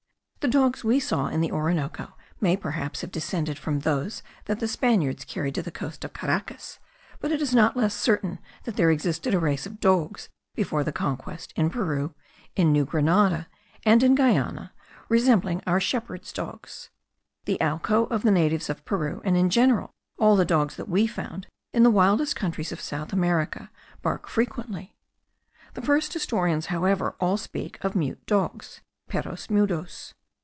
The dogs we saw at the Orinoco may perhaps have descended from those that the Spaniards carried to the coast of Caracas; but it is not less certain that there existed a race of dogs before the conquest, in Peru, in New Granada, and in Guiana, resembling our shepherds' dogs. The allco of the natives of Peru, and in general all the dogs that we found in the wildest countries of South America, bark frequently. The first historians, however, all speak of mute dogs (perros mudos).